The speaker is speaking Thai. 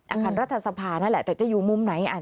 อาคารรัฐสภานั่นแหละแต่จะอยู่มุมไหน